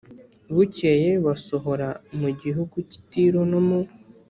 bukeye basohora mu gihugu cy i tiro no mu